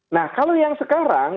nah kalau yang sekarang